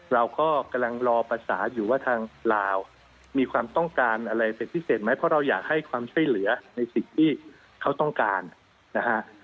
เราก็กำลังรอประสานอยู่ว่าทางลาวมีความต้องการอะไรเป็นพิเศษไหมเพราะเราอยากให้ความช่วยเหลือในสิ่งที่เขาต้องการนะฮะ